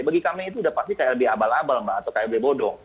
bagi kami itu sudah pasti klb abal abal mbak atau klb bodong